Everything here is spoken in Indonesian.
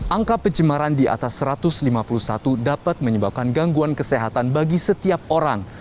angka pencemaran di atas satu ratus lima puluh satu dapat menyebabkan gangguan kesehatan bagi setiap orang